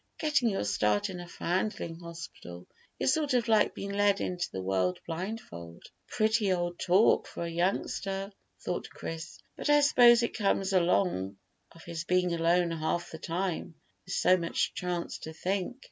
Getting your start in a foundling hospital is sort of like being led into the world blindfold." "Pretty old talk for a youngster," thought Chris; "but I suppose it comes along of his being alone half the time, with so much chance to think."